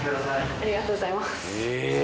ありがとうございます。